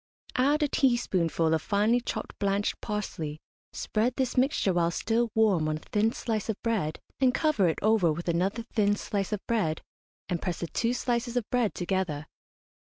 Add a teaspoonful of finely chopped blanched parsley, spread this mixture while still warm on a thin slice of bread, and cover it over with another thin slice of bread, and press the two slices of bread together.